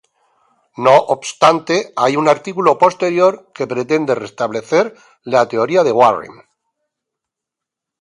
No obstante hay un artículo posterior que pretende restablecer la teoría de Warren.